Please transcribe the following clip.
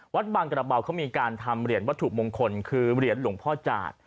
วัดบางกระเบาเขามีการทำเหรียญวัตถุมงคลคือเหรียญหลวงพ่อจาด